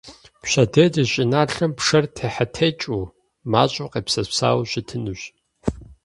Пщэдей ди щӏыналъэм пшэр техьэтекӏыу, мащӏэу къепсэпсауэу щытынущ.